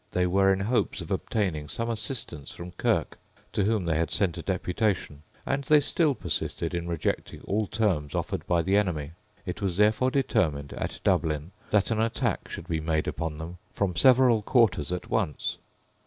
They were in hopes of obtaining some assistance from Kirke, to whom they had sent a deputation; and they still persisted in rejecting all terms offered by the enemy. It was therefore determined at Dublin that an attack should be made upon them from several quarters at once.